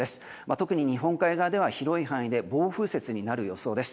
特に日本海側では広い範囲で暴風雪になる予想です。